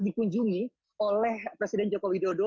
dikunjungi oleh presiden joko widodo